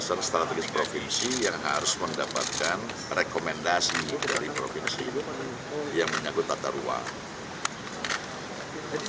besar strategis provinsi yang harus mendapatkan rekomendasi dari provinsi yang menyangkut tata ruang